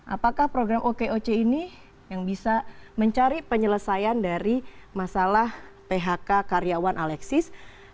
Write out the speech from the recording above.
apakah program okoc ini yang bisa mencari penyelesaian dari masalah phk karyawan alexis